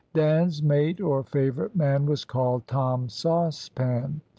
Dan's mate or favourite man was called Tom Saucepan.